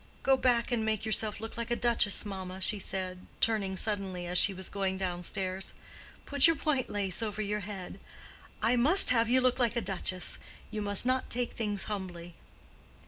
"Go back and make yourself look like a duchess, mamma," she said, turning suddenly as she was going down stairs. "Put your point lace over your head. I must have you look like a duchess. You must not take things humbly."